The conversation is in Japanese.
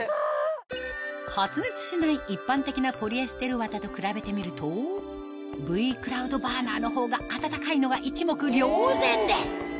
発熱しない一般的なポリエステル綿と比べてみるとＶ−ｃｌｏｕｄｂｕｒｎｅｒのほうが暖かいのが一目瞭然です